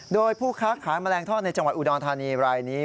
โดยผู้ค้าขายแมลงทอดในจังหวัดอุดรธานีรายนี้